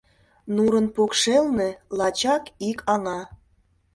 Нурын покшелне лачак ик аҥа